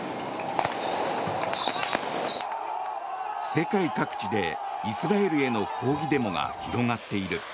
世界各地でイスラエルへの抗議デモが広がっている。